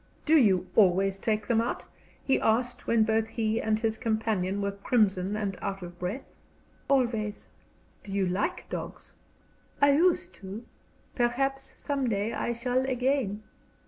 "Do you always take them out?" he asked, when both he and his companion were crimson and out of breath. "Always." "Do you like dogs?" "I used to. Perhaps some day I shall again."